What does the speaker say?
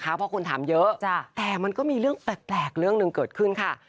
เพราะคนถามเยอะแต่มันก็มีเรื่องแปลกเรื่องหนึ่งเกิดขึ้นค่ะ